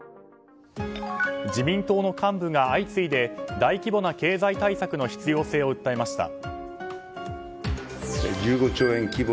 自民党の幹部が相次いで大規模な経済対策の必要性を訴えました。